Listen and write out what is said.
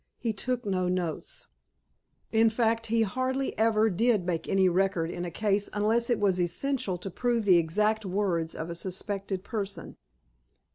He took no notes. In fact, he hardly ever did make any record in a case unless it was essential to prove the exact words of a suspected person.